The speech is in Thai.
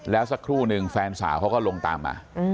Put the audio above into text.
แล้วสักครู่หนึ่งแฟนสาวเขาก็ลงตามมา